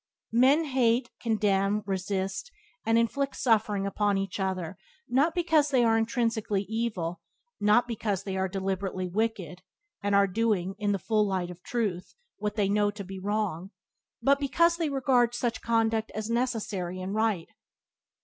Men hate, condemn, resist and inflict suffering upon each other, not because they are intrinsically evil, not because they are deliberately "wicked" and are doing, in the full light of truth, what they know to be wrong, but because they regard such conduct as necessary and right.